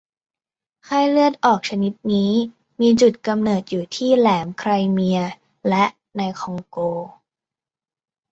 ไข้เลือดออกชนิดนี้มีจุดกำเนิดอยู่ที่แหลมไครเมียและในคองโก